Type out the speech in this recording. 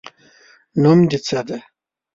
نوم دې څه ده؟